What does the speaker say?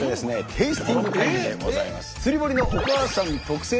テイスティングタイムでございます。